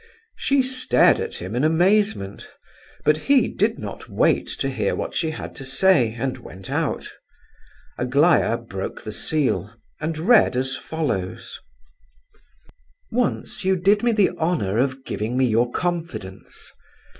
She stared at him in amazement, but he did not wait to hear what she had to say, and went out. Aglaya broke the seal, and read as follows: "Once you did me the honour of giving me your confidence.